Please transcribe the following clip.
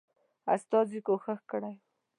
استازي کوښښ کړی وو.